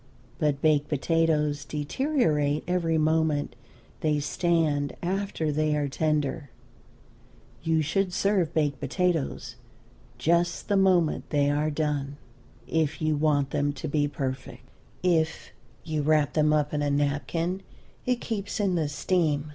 But baked potatoes deteriorate every moment they stand after they are tender. You should serve baked potatoes just the moment they are done, if you want them to be perfect. If you wrap them up in a napkin it keeps in the steam.